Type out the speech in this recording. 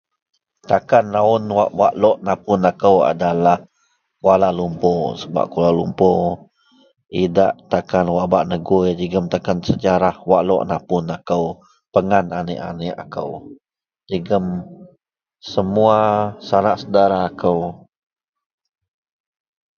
Takan raun wak lo napun aku adalah Kuala Lumpur sebab Kuala Lumpur adalah idak takan wak ba negui jegam takan sejarah wak lok napun kou pengan aniek-aniek aku jegam semua sanak saudara ko.